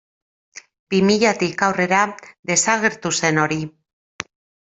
Bi milatik aurrera desagertu zen hori.